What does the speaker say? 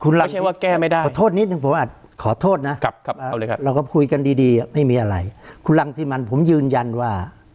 ไม่ใช่ว่าแก้ไม่ได้ขอโทษนิดนึงผมอาจขอโทษนะเราก็คุยกันดีดีไม่มีอะไรคุณรังสิมันผมยืนยันว่า